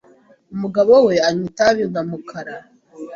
Umugabo we anywa itabi nka mukara